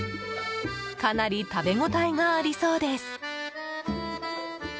かなり食べ応えがありそうです。